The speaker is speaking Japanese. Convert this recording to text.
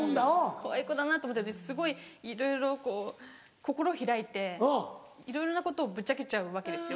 かわいい子だなと思って私すごいいろいろ心開いていろいろなことをぶっちゃけちゃうわけですよ。